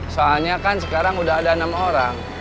soalnya kan sekarang udah ada enam orang